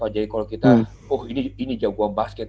jadi kalau kita oh ini jagoan basket